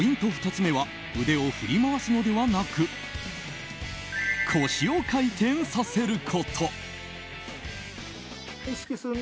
２つ目は腕を振り回すのではなく腰を回転させること。